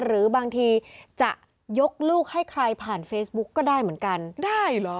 หรือบางทีจะยกลูกให้ใครผ่านเฟซบุ๊กก็ได้เหมือนกันได้เหรอ